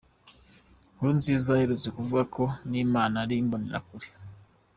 Nkurunziza aherutse kuvuga ko n’Imana ari Imbonerakure.